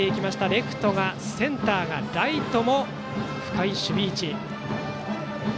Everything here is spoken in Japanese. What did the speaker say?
レフトも、センターもライトも深い守備位置。